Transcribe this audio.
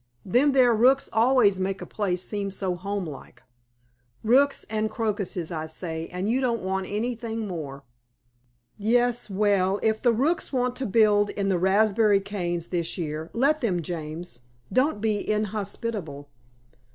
"Them there rooks always make a place seem so home like. Rooks and crocuses I say; and you don't want anything more." "Yes; well, if the rooks want to build in the raspberry canes this year, let them, James. Don't be inhospitable."